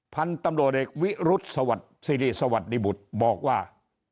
พันธุ์ตำรวจเอกวิรุธสวัสดีบุตรบอกว่า